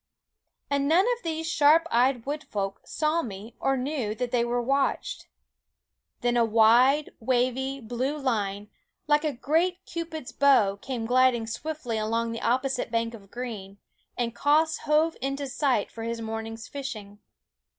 And none of these sharp eyed wood folk saw me or knew that they were watched. Then THE WOODS * a wide, wavy, blue line, like a great Cupid's bow, came gliding swiftly along the opposite bank of green, and Quoskh hove into sight for his morning's fishing.